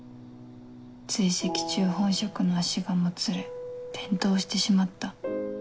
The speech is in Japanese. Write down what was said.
追跡中本職の足がもつれ転倒してしまった。